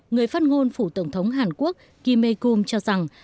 người phát ngôn phủ tổng thống hàn quốc kim ae kum cho rằng